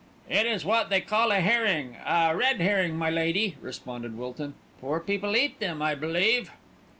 "It is what they call a herring, a red herring, my lady," responded Wilton. "Poor people eat them, I believe."